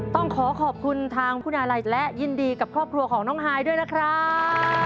ต้องขอขอบคุณทางคุณอาลัยและยินดีกับครอบครัวของน้องฮายด้วยนะครับ